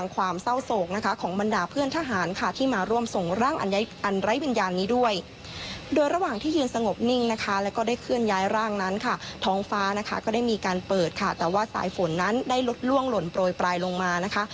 การเปิดค่ะแต่ว่าสายฝนนั้นได้ลดล่วงหล่นโปรยปลายลงมานะคะ